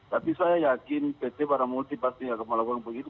tapi saya yakin pt para multi pasti akan melakukan begitu